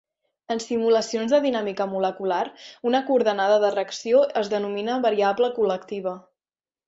En simulacions de dinàmica molecular, una coordenada de reacció es denomina variable col·lectiva.